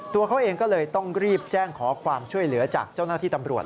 ตัวเขาเองก็เลยต้องรีบแจ้งขอความช่วยเหลือจากเจ้าหน้าที่ตำรวจ